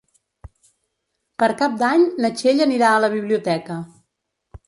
Per Cap d'Any na Txell anirà a la biblioteca.